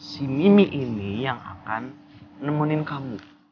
si mimi ini yang akan nemuin kamu